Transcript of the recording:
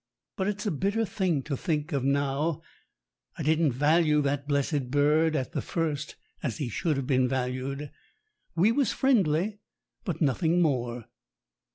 But it's a bitter thing to think of now I didn't value that blessed bird at the first as he should have been valued. We was friendly, but nothing more.